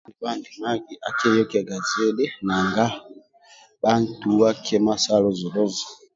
Nkpa nibha ndimagi akweyokiaga bhantuwa kima sa luzu luzu